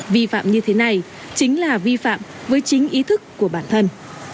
vi phạm như thế này chính là vi phạm với chính ý thức của bản thân